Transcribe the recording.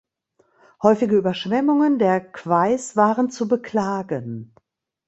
Häufige Überschwemmungen der Queis waren zu beklagen.